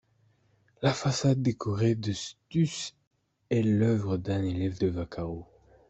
La façade décorée de stucs est l'œuvre d'un élève de Vaccaro.